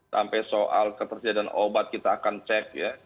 sampai soal ketersediaan obat kita akan cek ya